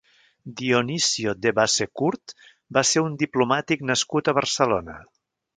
Dionisio de Bassecourt va ser un diplomàtic nascut a Barcelona.